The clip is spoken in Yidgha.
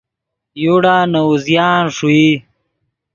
یوڑا نے اوزیان ݰوئی